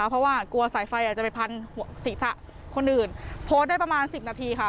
เพราะว่ากลัวสายไฟอาจจะไปพันหัวศีรษะคนอื่นโพสต์ได้ประมาณ๑๐นาทีค่ะ